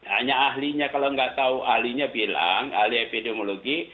hanya ahlinya kalau nggak tahu ahlinya bilang ahli epidemiologi